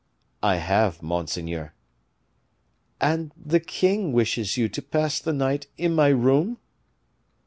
"I have, monseigneur." "And the king wishes you to pass the night in my room?"